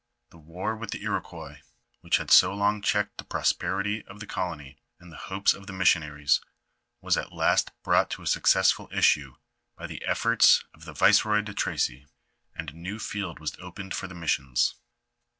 The war with the Iroquois which had so long checked the prosperity of the colony, and the hopes of the missionaries, was at last brought to a successful issue by the efforts of the viceroy de Tracy, and a new field was opened for the missions.